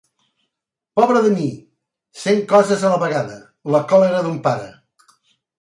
Pobre de mi! Cent coses a la vegada: la còlera d'un pare.